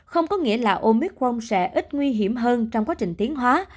không có nghĩa là omicron sẽ ít nguy hiểm hơn trong quá trình tiến hóa